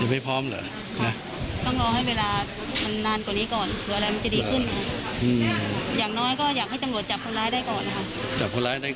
ลุงพลพร้อมไหมถ้าเกิดจะคุยกับแม่น้องชมพู่อะไรอย่างนี้